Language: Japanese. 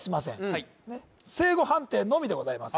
はいねっ正誤判定のみでございます